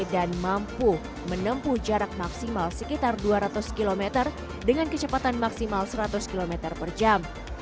dan mampu menempuh jarak maksimal sekitar dua ratus kilometer dengan kecepatan maksimal seratus kilometer per jam